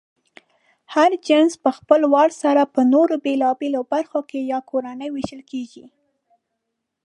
هر جنس پهخپل وار سره په نورو بېلابېلو برخو یا کورنیو وېشل کېږي.